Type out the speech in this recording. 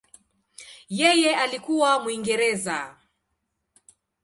Yeye alikuwa Mwingereza.